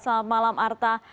selamat malam arta